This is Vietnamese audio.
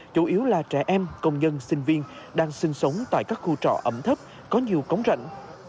chủ yếu là trẻ em công nhân sinh viên đang sinh sống tại các khu trọ ẩm thấp có nhiều cống rạnh